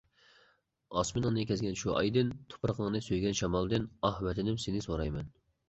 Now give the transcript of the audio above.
ئاسمىنىڭنى كەزگەن شۇ ئايدىن، تۇپرىقىڭنى سۆيگەن شامالدىن، ئاھ، ۋەتىنىم، سېنى سورايمەن!